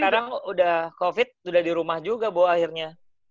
sekarang udah covid udah di rumah juga bu akhirnya